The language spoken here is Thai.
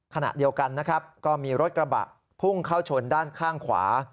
ขณะเดียวกันนะครับก็มีรถกระบะพุ่งเข้าชนด้านข้างขวา